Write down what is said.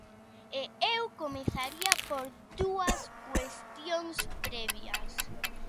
E eu comezaría por dúas cuestións previas.